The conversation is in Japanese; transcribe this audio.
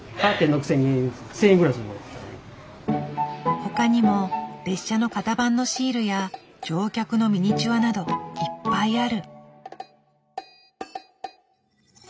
他にも列車の型番のシールや乗客のミニチュアなどいっぱいある。